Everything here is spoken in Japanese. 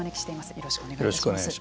よろしくお願いします。